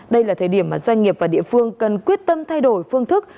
đây là thời điểm mà doanh nghiệp và địa phương cần quyết tâm thay đổi phương thức